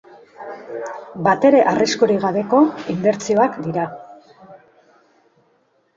Batere arriskurik gabeko inbertsioak dira.